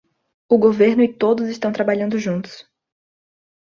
O governo e todos estão trabalhando juntos